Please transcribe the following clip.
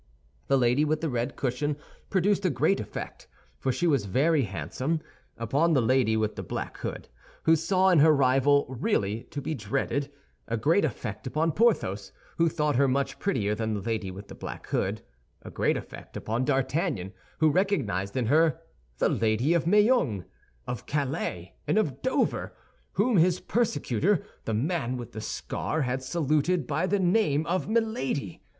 The lady with the red cushion produced a great effect—for she was very handsome—upon the lady with the black hood, who saw in her a rival really to be dreaded; a great effect upon Porthos, who thought her much prettier than the lady with the black hood; a great effect upon D'Artagnan, who recognized in her the lady of Meung, of Calais, and of Dover, whom his persecutor, the man with the scar, had saluted by the name of Milady.